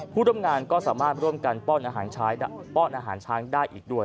ผู้ร่วมงานก็สามารถร่วมกันป้อนอาหารป้อนอาหารช้างได้อีกด้วย